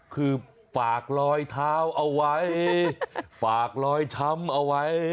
คือฝากรอยเท้าเอาไว้ฝากรอยช้ำเอาไว้